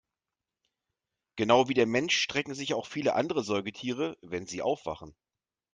Genau wie der Mensch strecken sich auch viele andere Säugetiere, wenn sie aufwachen.